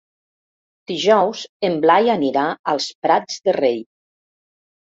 Dijous en Blai anirà als Prats de Rei.